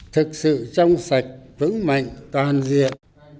thực sự trong sạch vững mạnh toàn diện